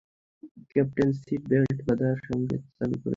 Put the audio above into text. Captain seat belt বাঁধার সঙ্কেত চালু করেছেন।